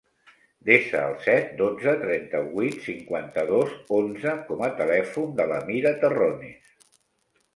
Desa el set, dotze, trenta-vuit, cinquanta-dos, onze com a telèfon de l'Amira Terrones.